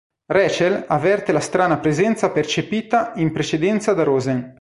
Rachel avverte la strana presenza percepita in precedenza da Rosen.